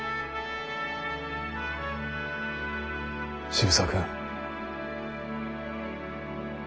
渋沢君。